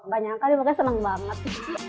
banyak kali pokoknya senang banget